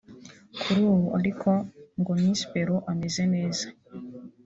Kuri ubu ariko ngo Miss Peru ameze neza